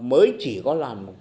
mới chỉ có làm